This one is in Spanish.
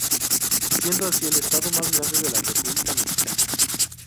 Siendo así el estado más grande de la República Mexicana.